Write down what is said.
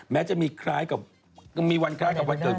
แม้จะมีวันคล้ายกับวันเดือด